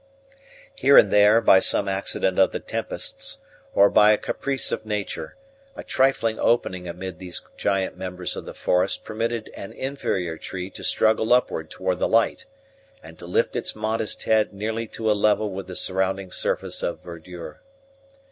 Here and there, by some accident of the tempests, or by a caprice of nature, a trifling opening among these giant members of the forest permitted an inferior tree to struggle upward toward the light, and to lift its modest head nearly to a level with the surrounding surface of verdure.